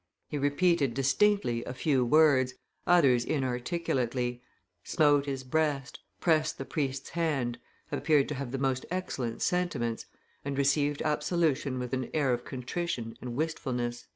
He repeated distinctly a few words, others inarticulately, smote his breast, pressed the priest's hand, appeared to have the most excellent sentiments, and received absolution with an air of contrition and wistfulness."